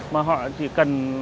mà họ chỉ cần